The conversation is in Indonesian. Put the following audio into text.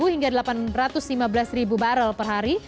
tujuh ratus tujuh puluh satu hingga delapan ratus lima belas barrel per hari